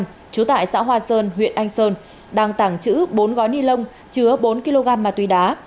trú tại xã hoa sơn huyện anh sơn đang tàng trữ bốn gói ni lông chứa bốn kg ma túy đá